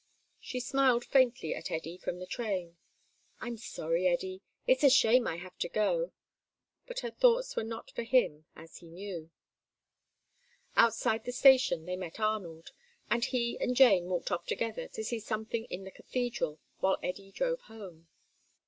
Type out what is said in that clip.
She smiled faintly at Eddy from the train. "I'm sorry, Eddy. It's a shame I have to go," but her thoughts were not for him, as he knew. Outside the station they met Arnold, and he and Jane walked off together to see something in the Cathedral, while Eddy drove home.